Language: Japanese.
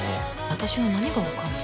私の何が分かるの？